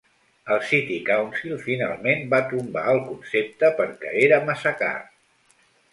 El City Council finalment va tombar el concepte perquè era massa car.